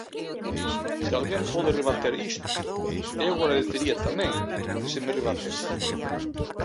Se alguén pode rebater isto, eu agradecería tamén que se me rebatese.